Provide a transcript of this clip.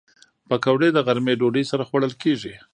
پکورې د غرمې ډوډۍ سره خوړل کېږي